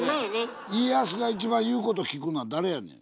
家康が一番言うこと聞くのは誰やねん？